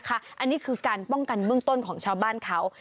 อันนี้คือการป้องกันเบื้องต้นของชาวบ้านเขา